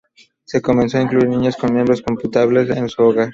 Se comenzó a incluir niños con miembros computables en su hogar.